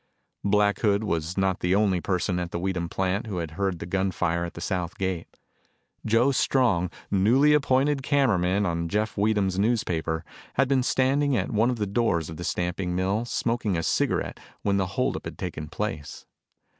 Black Hood was not the only person at the Weedham plant who had heard the gun fire at the south gate. Joe Strong, newly appointed cameraman on Jeff Weedham's newspaper, had been standing at one of the doors of the stamping mill, smoking a cigarette when the hold up had taken place.